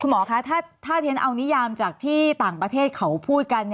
หมอคะถ้าที่ฉันเอานิยามจากที่ต่างประเทศเขาพูดกัน